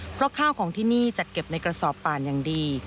เพราะข้าวของที่นี่จัดเก็บในกระสอบป่านอย่างดี